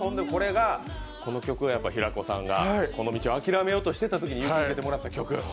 この曲は、平子さんがこの道を諦めようと思ったときに勇気づけてもらった曲。